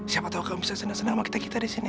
siapa tahu kamu bisa senang senang sama kita kita di sini